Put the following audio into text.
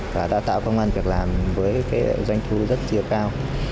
và đã tạo công an việc làm với doanh thu rất chia cao